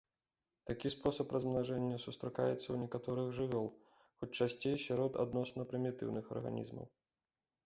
Такі спосаб размнажэння сустракаецца ў некаторых жывёл, хоць часцей сярод адносна прымітыўных арганізмаў.